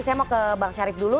saya mau ke bang syarif dulu